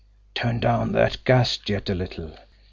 "Turn down that gas jet a little!